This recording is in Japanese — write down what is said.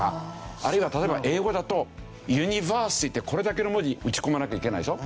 あるいは例えば英語だとＵｎｉｖｅｒｓｉｔｙってこれだけの文字打ち込まなきゃいけないでしょ。